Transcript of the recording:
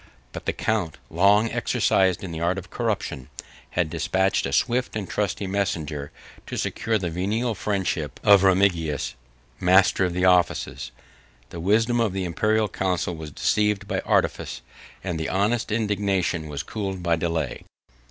But the count, long exercised in the arts of corruption, had despatched a swift and trusty messenger to secure the venal friendship of Remigius, master of the offices. The wisdom of the Imperial council was deceived by artifice; and their honest indignation was cooled by delay.